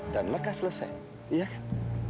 dan mereka selesai iya kan